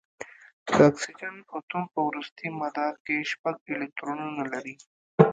د اکسیجن اتوم په وروستي مدار کې شپږ الکترونونه لري.